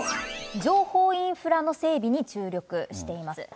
情報インフラの整備に注力しています。